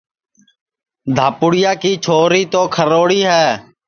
جھاپڑِیا چھوری تو کھروڑی ہے